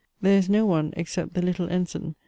There is no one except the little ensign (M.